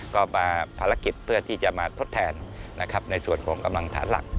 ก็มาภารกิจเพื่อที่จะมาทดแทนนะครับในส่วนของกำลังฐานหลัก